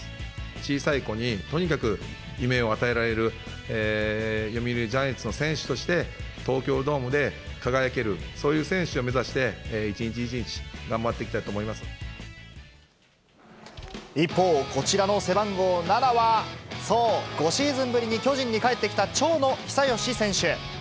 小さい子に、とにかく夢を与えられる、読売ジャイアンツの選手として、東京ドームで輝ける、そういう選手を目指して、一日一日頑張っていきた一方、こちらの背番号７は、そう、５シーズンぶりに巨人に帰ってきた長野久義選手。